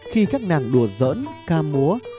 khi các nàng đùa giỡn ca múa